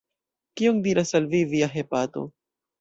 Kion diras al Vi Via hepato?